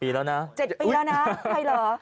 ๗ปีแล้วนะใครหรอ